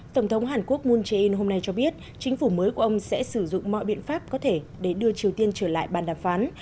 tổng thống hàn quốc moon jae in hôm nay cho biết chính phủ mới của ông sẽ sử dụng mọi biện pháp có thể để đưa triều tiên trở lại bàn đàm phán